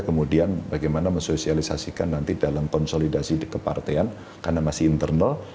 kemudian bagaimana mensosialisasikan nanti dalam konsolidasi kepartean karena masih internal